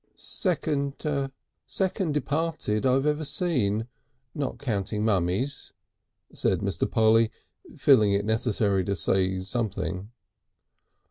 "Second Second Departed I've ever seen. Not counting mummies," said Mr. Polly, feeling it necessary to say something.